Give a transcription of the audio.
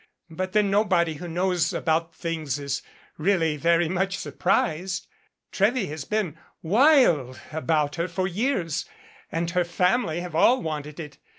But then nobody who knows about things is really very much surprised. Trewy has been wild about her for years and her family have all wanted it.